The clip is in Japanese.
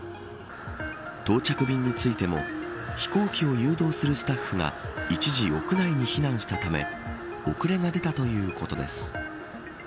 到着便についても飛行機を誘導するスタッフが一時屋内に避難したため遅れが出たということです。